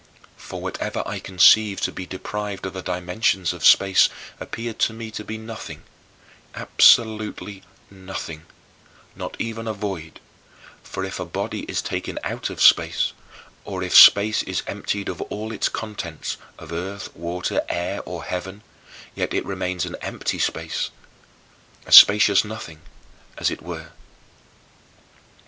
For whatever I conceived to be deprived of the dimensions of space appeared to me to be nothing, absolutely nothing; not even a void, for if a body is taken out of space, or if space is emptied of all its contents (of earth, water, air, or heaven), yet it remains an empty space a spacious nothing, as it were.